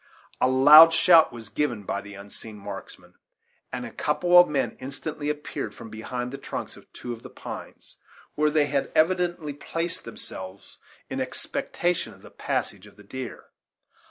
A loud shout was given by the unseen marksman, and a couple of men instantly appeared from behind the trunks of two of the pines, where they had evidently placed themselves in expectation of the passage of the deer.